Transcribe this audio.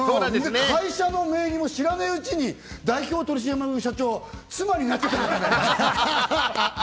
会社の名義も知らないうちに代表取締役社長が妻になっちゃってたからね。